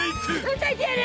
訴えてやる！